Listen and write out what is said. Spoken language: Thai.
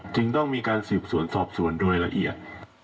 จึงต้องมีการสืบสวนสอบสวนโดยละเอียด